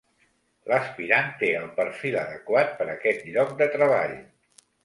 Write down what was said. L'aspirant té el perfil adequat per a aquest lloc de treball.